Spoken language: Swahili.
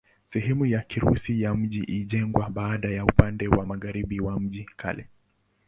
Sehemu ya Kirusi ya mji ilijengwa baadaye upande wa magharibi wa mji wa kale.